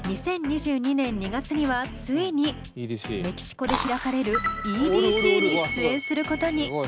２０２２年２月にはついにメキシコで開かれるＥＤＣに出演することに。